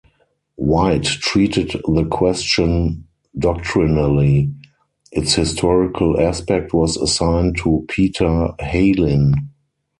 White treated the question doctrinally; its historical aspect was assigned to Peter Heylyn.